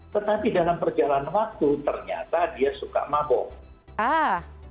tetapi dalam perjalanan waktu ternyata dia suka mabuk